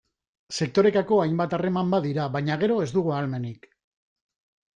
Sektorekako hainbat harreman badira, baina gero ez dugu ahalmenik.